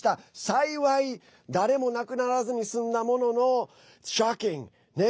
幸い誰も亡くならずに済んだものの、ショッキング！